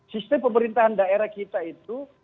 sistem pemerintahan daerah kita itu